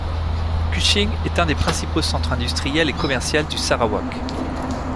Kuching est un des principaux centres industriels et commercial du Sarawak.